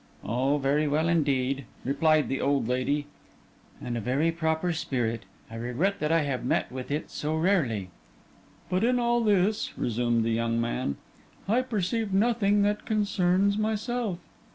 'Oh, very well indeed,' replied the old lady; 'and a very proper spirit. I regret that I have met with it so rarely.' 'But in all this,' resumed the young man, 'I perceive nothing that concerns myself.